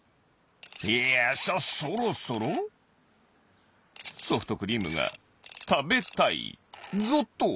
いやそろそろソフトクリームがたべたいぞっと！